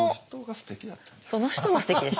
その人がすてきやった？